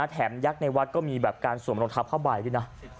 ยักษ์ในวัดก็มีแบบการสวมรองเท้าผ้าใบด้วยนะ